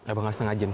eh bukan setengah jam